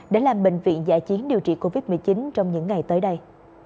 để làm bệnh viện giải chiến điều trị covid một mươi chín trong những ngày tới đây